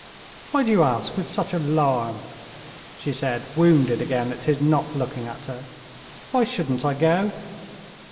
"Why do you ask with such alarm?" she said, wounded again at his not looking at her. "Why shouldn't I go?"